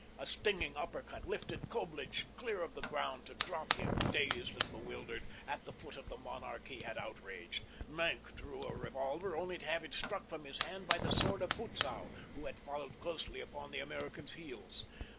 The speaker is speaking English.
A stinging uppercut lifted Coblich clear of the ground to drop him, dazed and bewildered, at the foot of the monarch he had outraged. Maenck drew a revolver only to have it struck from his hand by the sword of Butzow, who had followed closely upon the American's heels.